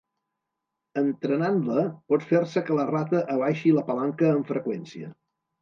Entrenant-la pot fer-se que la rata abaixi la palanca amb freqüència.